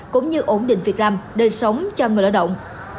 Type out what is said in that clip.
cũng như ổn định việc làm đời sống cho người lao động